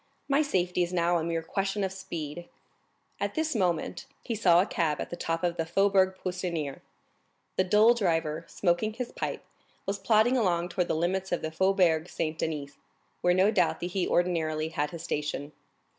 My safety is now a mere question of speed." At this moment he saw a cab at the top of the Faubourg Poissonnière. The dull driver, smoking his pipe, was plodding along toward the limits of the Faubourg Saint Denis, where no doubt he ordinarily had his station.